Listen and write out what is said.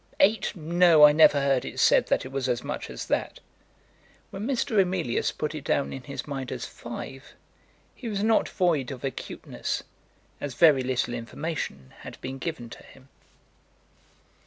Eight! No, I never heard it said that it was as much as that." When Mr. Emilius put it down in his mind as five, he was not void of acuteness, as very little information had been given to him.